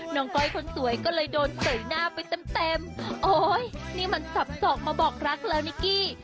ก้อยคนสวยก็เลยโดนเสยหน้าไปเต็มเต็มโอ้ยนี่มันสับสอกมาบอกรักแล้วนิกกี้